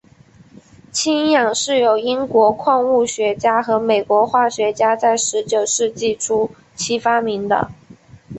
氢氧是由英国矿物学家和美国化学家在十九世纪初期发明的。